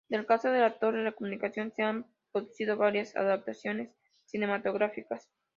Del caso de la torre de comunicaciones se han producido varias adaptaciones cinematográficas.